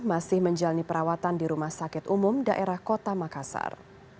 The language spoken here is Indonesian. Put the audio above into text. masih menjalani perawatan di rumah sakit umum daerah kota makassar